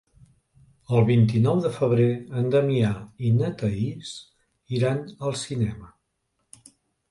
El vint-i-nou de febrer en Damià i na Thaís iran al cinema.